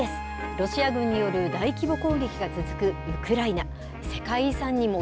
ロシア軍による大規模攻撃が続くウクライナ。